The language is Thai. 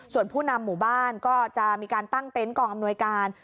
ส่วนผู้นำหมู่บ้านก็จะมีการตั้งเต็นต์กองอำนวยการ